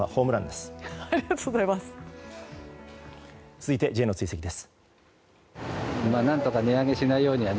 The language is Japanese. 続いてＪの追跡です。